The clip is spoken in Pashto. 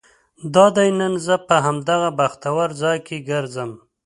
دادی نن زه په همدغه بختور ځای کې ګرځم.